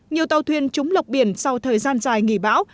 nhiều tàu thuyền trúng lọc biển sau thời gian dài nghỉ bão